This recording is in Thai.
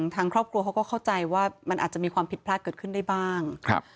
ทางครอบครัวเขาก็เข้าใจว่ามันอาจจะมีความผิดพลาดเกิดขึ้นได้บ้าง